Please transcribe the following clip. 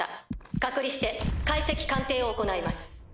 隔離して解析鑑定を行います。